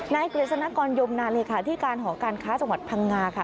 กฤษณกรยมนาเลขาที่การหอการค้าจังหวัดพังงาค่ะ